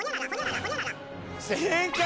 正解！